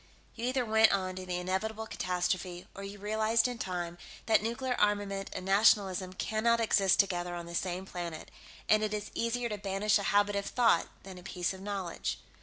You either went on to the inevitable catastrophe, or you realized, in time, that nuclear armament and nationalism cannot exist together on the same planet, and it is easier to banish a habit of thought than a piece of knowledge.